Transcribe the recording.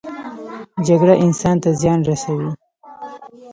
جګړه انسان ته زیان رسوي